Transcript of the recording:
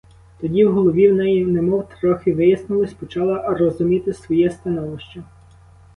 Тоді в голові в неї немов трохи вияснилось, почала розуміти своє становище.